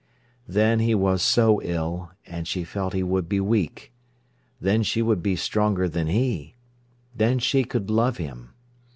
Then he was so ill, and she felt he would be weak. Then she would be stronger than he. Then she could love him.